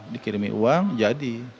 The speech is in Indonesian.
dikirimi uang jadi